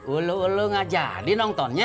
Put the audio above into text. ulu ulu nggak jadi nontonnya